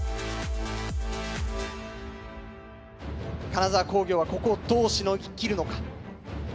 金沢工業はここをどうしのぎきるのか？